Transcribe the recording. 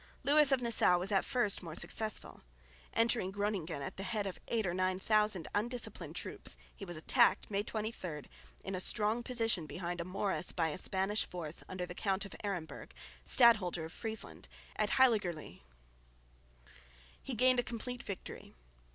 Lewis of Nassau was at first more successful. Entering Groningen at the head of eight or nine thousand undisciplined troops he was attacked, May 23, in a strong position behind a morass by a Spanish force under the Count of Aremberg, Stadholder of Friesland, at Heiligerlee. He gained a complete victory.